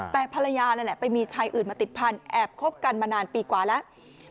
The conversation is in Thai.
แต่ภรรยานั่นแหละไปมีชายอื่นมาติดพันธุ์แอบคบกันมานานปีกว่าแล้ว